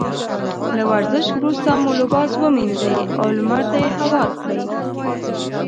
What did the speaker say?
له ورزش وروسته مو لباس ومينځئ او لمر ته يې هوار کړئ.